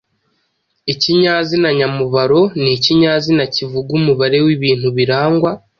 Ikinyazina nyamubaro ni ikinyazina kivuga umubare w’ibintu birangwa